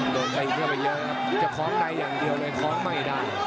โดนตีเข้าไปเยอะครับจะคล้องในอย่างเดียวเลยคล้องไม่ได้